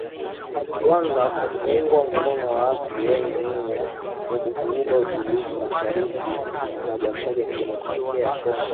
Rwanda kwa kuunga mkono waasi wa wenye nia ya kuvuruga utulivu mashariki mwa Jamuhuri ya Demokrasia ya Kongo